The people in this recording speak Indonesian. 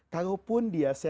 kalaupun dia selalu